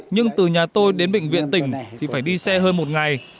nhưng từ nhà tôi đến bệnh viện tỉnh thì phải đi xe hơn một ngày